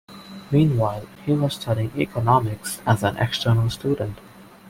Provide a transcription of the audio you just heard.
Meanwhile, he was studying economics as an external student.